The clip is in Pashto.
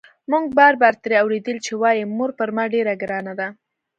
موږ بار بار ترې اورېدلي چې وايي مور پر ما ډېره ګرانه ده.